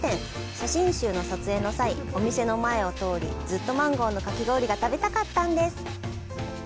写真集の撮影の際、お店の前を通り、ずっとマンゴーのかき氷が食べたかったんです。